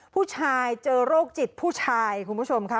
ผู้ชายเจอโรคจิตผู้ชายคุณผู้ชมค่ะ